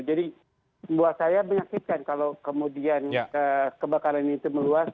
jadi buat saya menyakitkan kalau kemudian kebakaran itu meluas